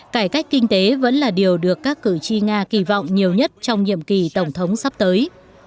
cải cách kinh tế vẫn là điều được các cử tri nga kỳ vọng nhiều nhất trong nhiệm kỳ tổng thống sắp tới